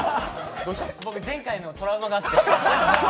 僕、前回のトラウマがあって。